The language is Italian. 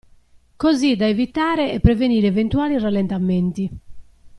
Così da evitare e prevenire eventuali rallentamenti.